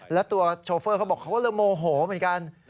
แล้วตัวโชเฟอร์เขาบอกเขาก็เลยโมโหเหมือนกัน